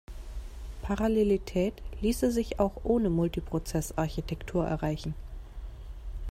Parallelität ließe sich auch ohne Multiprozess-Architektur erreichen.